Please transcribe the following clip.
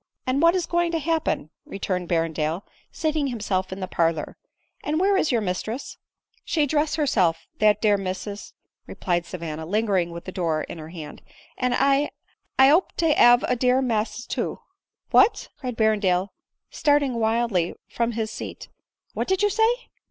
^" And what is going to happen ?" returned Berrendale* seating himself in the parlor, " and where is your mis tress ?"" She dress herself, that dear missess," replied Savan na, lingering with the door in her hand, " and I — I ope to ave a dear massa too." " What !" cried Berrendale, starting wildly from his seat, " what did you say